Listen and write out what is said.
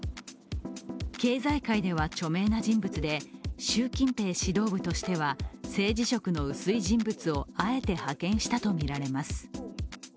経済界では著名な人物で習近平指導部としては政治色の薄い人物をあえて派遣したとみられます。